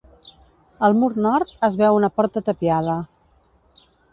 Al mur nord es veu una porta tapiada.